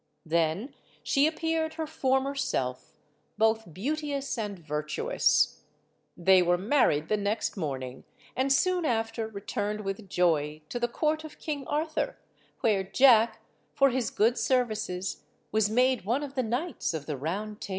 Then she appeared her former self, both beauteous and virtuous. They were married the next morning, and soon after returned with joy to the court of King Arthur, where Jack, for his good services, was made one of the knights of the Round Table.